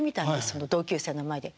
その同級生の前で。